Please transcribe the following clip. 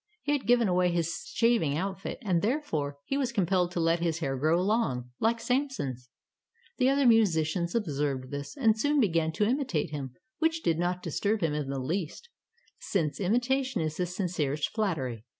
He had given away his shaving outfit, and therefore he was compelled to let his hair grow long, like Samson's. The other musicians observed this, and soon began to imitate him, which did not disturb him in the least, since imitation is the sincerest flattery.